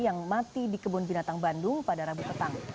yang mati di kebun binatang bandung pada rabu petang